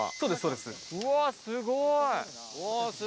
うわすごい！